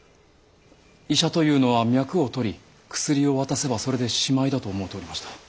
医者というのは脈を取り薬を渡せばそれでしまいだと思うておりました。